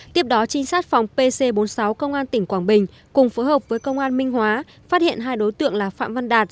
tiếp đó trinh sát phòng pc bốn mươi sáu công an tỉnh quảng bình cùng phối hợp với công an minh hóa phát hiện hai đối tượng là phạm văn đạt